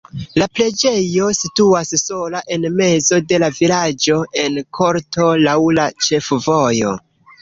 La preĝejo situas sola en mezo de la vilaĝo en korto laŭ la ĉefvojo.